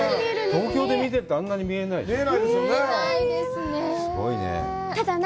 東京で見てると、あんなに見えないでしょう？